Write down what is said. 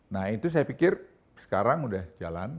nah itu saya pikir sekarang udah jalan